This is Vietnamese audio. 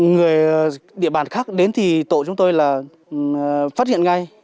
người địa bàn khác đến thì tổ chúng tôi là phát hiện ngay